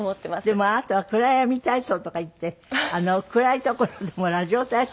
でもあなたは暗闇体操とかいって暗い所でもラジオ体操なさるんですって？